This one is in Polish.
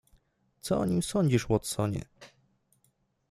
"Co o nim sądzisz, Watsonie?"